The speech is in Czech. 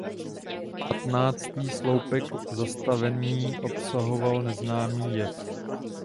Patnáctý sloupek zastavení obsahoval neznámý výjev.